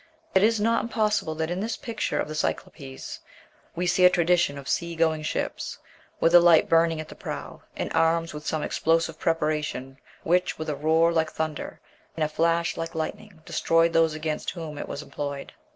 It is not impossible that in this picture of the Kyklopes we see a tradition of sea going ships, with a light burning at the prow, and armed with some explosive preparation, which, with a roar like thunder, and a flash like lightning, destroyed those against whom it was employed?